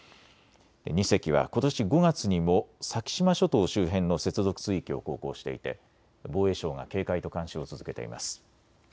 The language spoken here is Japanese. ２隻はことし５月にも先島諸島周辺の接続水域を航行していて防衛省が警戒と監視を続けています。